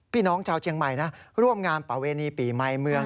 พี่น้องชาวเชียงใหม่นะร่วมงานประเวณีปีใหม่เมือง